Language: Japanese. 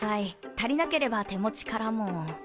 足りなければ手持ちからも。